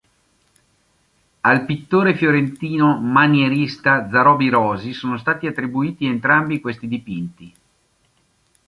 Al pittore fiorentino manierista Zanobi Rosi sono stati attribuiti entrambi questi dipinti.